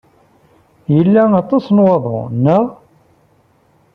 Yella aṭas n waḍu, naɣ?